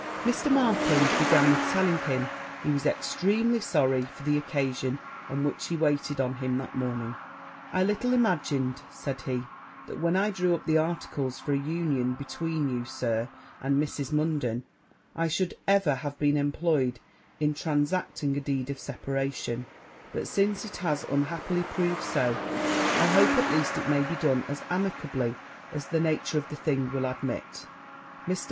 Mr. Markland began with telling him he was extremely sorry for the occasion on which he waited on him that morning; 'I little imagined,' said he, 'that when I drew up the articles for an union between you, Sir, and Mrs. Munden, I should ever have been employed in transacting a deed of separation: but, since it has unhappily proved so, I hope, at least, it may be done as amicably as the nature of the thing will admit.' Mr.